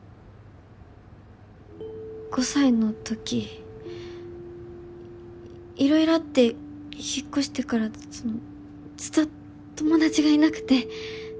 ５歳のとき色々あって引っ越してからそのずっと友達がいなくて。